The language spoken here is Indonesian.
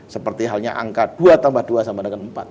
seperti halnya angka dua tambah dua sama dengan empat